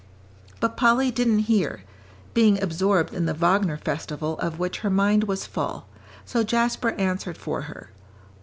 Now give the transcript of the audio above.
But Polly didn't hear, being absorbed in the Wagner festival of which her mind was full, so Jasper answered for her.